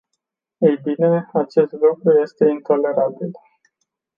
Ei bine, acest lucru este intolerabil.